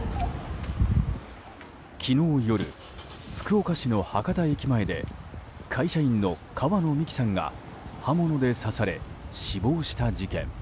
昨日夜、福岡市の博多駅前で会社員の川野美樹さんが刃物で刺され死亡した事件。